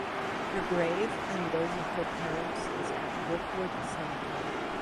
Her grave and those of her parents is at Brookwood Cemetery.